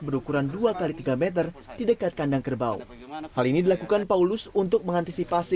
berukuran dua x tiga meter di dekat kandang kerbau hal ini dilakukan paulus untuk mengantisipasi